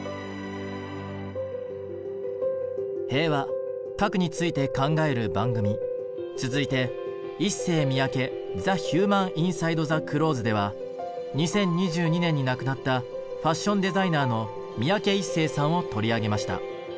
平和核について考える番組続いて「ＩＳＳＥＹＭＩＹＡＫＥＴｈｅＨｕｍａｎＩｎｓｉｄｅｔｈｅＣｌｏｔｈｅｓ」では２０２２年に亡くなったファッションデザイナーの三宅一生さんを取り上げました。